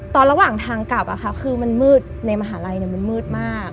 ตอนระหว่างทางกลับอะค่ะคือมันมืดในมหาลัยเนี่ยมันมืดมาก